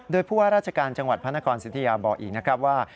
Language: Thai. โดยผู้ว่าราชการจังหวัดพระนครสิทธิยาบอกอีกนะครับว่า